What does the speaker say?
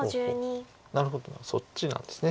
なるほどそっちなんですね。